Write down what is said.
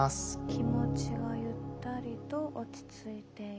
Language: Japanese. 「気持ちがゆったりと落ち着いている」。